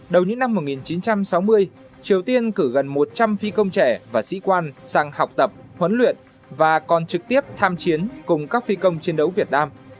đầu những năm một nghìn chín trăm sáu mươi triều tiên cử gần một trăm linh phi công trẻ và sĩ quan sang học tập huấn luyện và còn trực tiếp tham chiến cùng các phi công chiến đấu việt nam